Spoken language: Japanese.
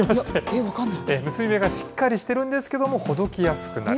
結び目がしっかりしてるんですけれども、ほどきやすくなる。